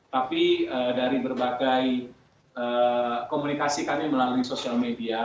tapi dari berbagai komunikasi kami melalui sosial media